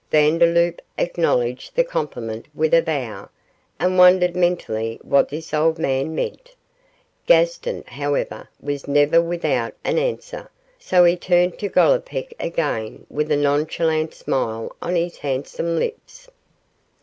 Vandeloup acknowledged the compliment with a bow, and wondered mentally what this old man meant. Gaston, however, was never without an answer, so he turned to Gollipeck again with a nonchalant smile on his handsome lips.